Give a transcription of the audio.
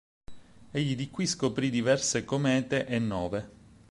Egli di qui scoprì diverse comete e "novae".